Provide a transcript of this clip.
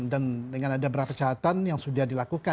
dan dengan ada beberapa catatan yang sudah dilakukan